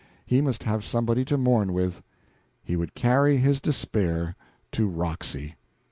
He must have somebody to mourn with. He would carry his despair to Roxy.